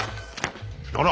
あら。